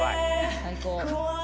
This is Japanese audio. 最高！